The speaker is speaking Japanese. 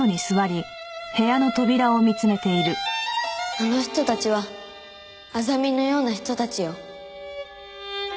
あの人たちはアザミのような人たちよ。